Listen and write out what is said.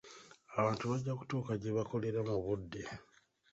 Abantu bajja kutuuka gye bakolera mu budde.